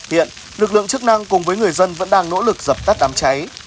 hiện lực lượng chức năng cùng với người dân vẫn đang nỗ lực dập tắt đám cháy